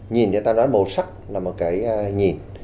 nhìn người ta nói màu sắc là một cái nhìn